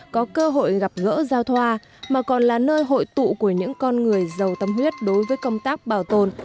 có cơ hội gặp gỡ giao thoa mà còn là nơi hội tụ của những con người giàu tâm huyết đối với công tác bảo tồn